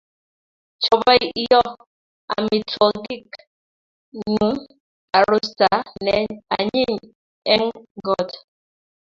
Chobei iyoo amitwogik nguu arusta ne anyiny eng got